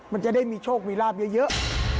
มันจะได้มีโชคมีลาบเยอะ